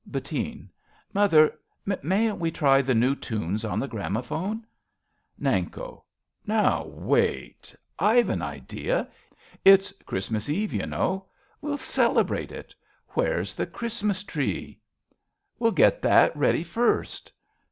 Bettine. Mother, mayn't we try The new tunes on the gramophone ? Nanko. Now, wait ! I've an idea. It's Christmas Eve, you know. We'll celebrate it. Where's the Christ mas tree ? 41 RADA We'll get that ready first.